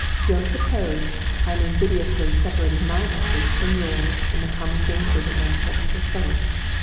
Don't suppose I am invidiously separating my interests from yours in the common danger that now threatens us both.